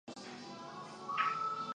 马斯特兰德是瑞典的一座城市。